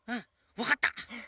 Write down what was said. わかった。